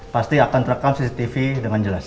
pasti akan terekam cctv dengan jelas